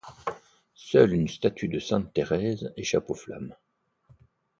Seule une statue de Sainte-Thérèse échappe aux flammes.